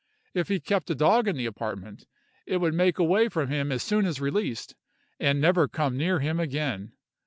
If he kept a dog in the apartment, it would make away from him as soon as released, and never come near him again.